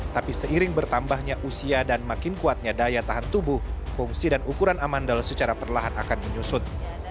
tapi seiring bertambahnya usia dan makin kuatnya daya tahan tubuh fungsi dan ukuran amandel secara perlahan akan menyusut